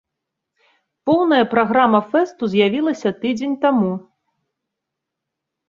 Поўная праграма фэсту з'явілася тыдзень таму.